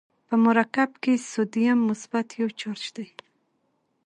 په مرکب کې سودیم مثبت یو چارج دی.